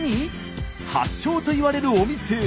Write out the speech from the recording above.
発祥といわれるお店へ！